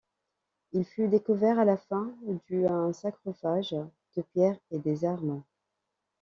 Il fut découvert à la fin du un sarcophage de pierre et des armes.